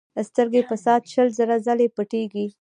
سترګې په ساعت شل زره ځلې پټېږي.